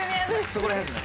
そこら辺ですね。